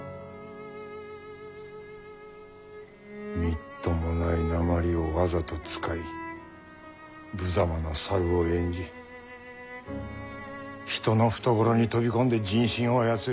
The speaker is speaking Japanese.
みっともないなまりをわざと使いぶざまな猿を演じ人の懐に飛び込んで人心を操る。